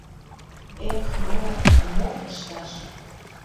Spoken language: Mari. — Эх мо... мом ышташ?